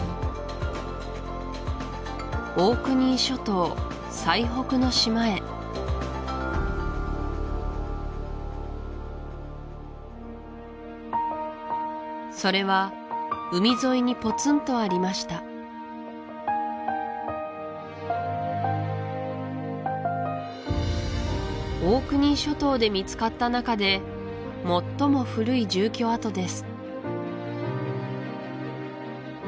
オークニー諸島最北の島へそれは海沿いにポツンとありましたオークニー諸島で見つかった中で最も古い住居跡です